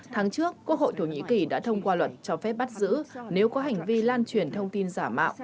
tháng trước quốc hội thổ nhĩ kỳ đã thông qua luật cho phép bắt giữ nếu có hành vi lan truyền thông tin giả mạo